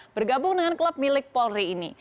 bergabung dengan klub milik polri ini